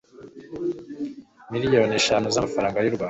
miliyoni eshanu z'amafaranga y u rwanda